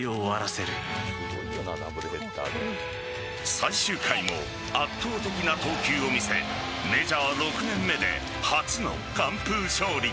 最終回も圧倒的な投球を見せメジャー６年目で初の完封勝利。